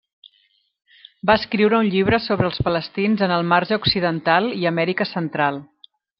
Va escriure un llibre sobre els Palestins en el Marge Occidental i Amèrica Central.